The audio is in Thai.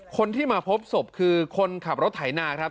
คนที่มาพบศพคือคนขับรถไถนาครับ